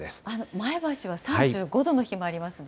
前橋は３５度の日もありますね。